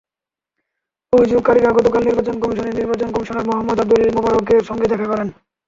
অভিযোগকারীরা গতকাল নির্বাচন কমিশনে নির্বাচন কমিশনার মোহাম্মদ আবদুল মোবারকের সঙ্গে দেখা করেন।